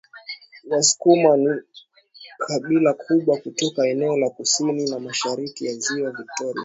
Wasukuma ni kabila kubwa kutoka eneo la kusini na mashariki ya Ziwa Viktoria